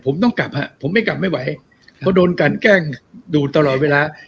ผมก็ไม่กลับไม่ไหวเพราะโดนกันแกล้งดูตลอดเวลา